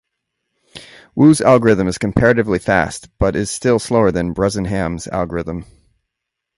Wu's algorithm is comparatively fast, but is still slower than Bresenham's algorithm.